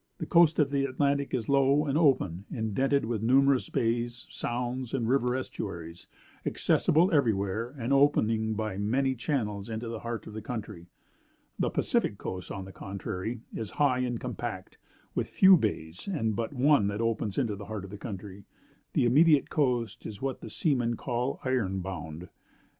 The coast of the Atlantic is low and open, indented with numerous bays, sounds, and river estuaries, accessible everywhere, and opening by many channels into the heart of the country. The Pacific coast, on the contrary, is high and compact, with few bays, and but one that opens into the heart of the country. The immediate coast is what the seamen call iron bound.